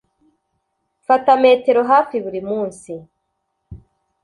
Mfata metero hafi buri munsi